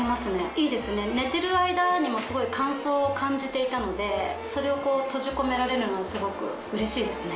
いいですね寝てる間にもすごい乾燥を感じていたのでそれを閉じ込められるのはすごくうれしいですね。